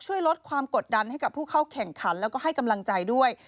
ช่วยลดความกดดันให้กับผู้เข้าแข่งขันแล้วก็ให้กำลังใจด้วย